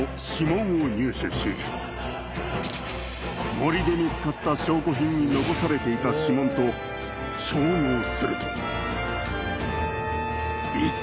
森で見つかった証拠品に残されていた指紋と照合すると。